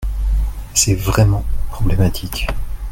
C'est vraiment problématique.